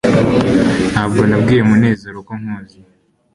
ntabwo nabwiye munezero ko nkuzi